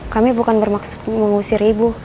kami bukan bermaksud mengusir ibu